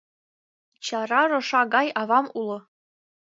Чара роша гай авам уло.